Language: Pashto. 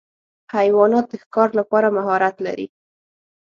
حیوانات د ښکار لپاره مهارت لري.